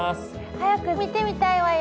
早く見てみたいわよ。